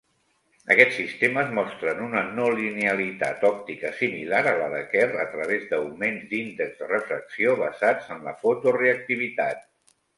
Aquests sistemes mostren una no linealitat òptica similar a la de Kerr a través d'augments d'índex de refracció basats en la fotoreactivitat.